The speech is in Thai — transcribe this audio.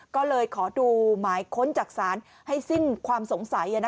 ก็เลยขอดูหมายค้นจากศาลให้สิ้นความสงสัย